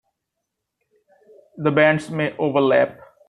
The bands may overlap.